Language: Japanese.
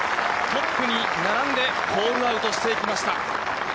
トップに並んでホールアウトしていきました。